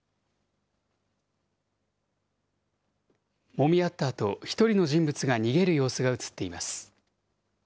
もみ合ったあと、１人の人物が逃げる様子が写っています。